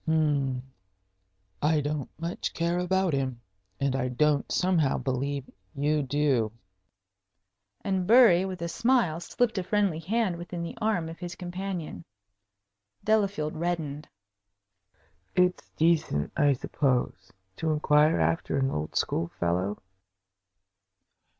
"Hm I don't much care about him. And I don't somehow believe you do." And Bury, with a smile, slipped a friendly hand within the arm of his companion. Delafield reddened. "It's decent, I suppose, to inquire after an old school fellow?"